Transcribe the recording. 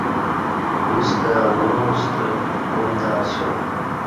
یݩستہ امو ستہ کعوم تہ اسیوم